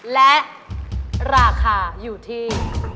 และราคาอยู่ที่